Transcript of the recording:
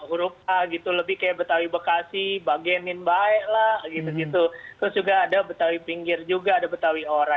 huruf a gitu lebih kayak betawi bekasi bagenin baik lah gitu gitu terus juga ada betawi pinggir juga ada betawi ora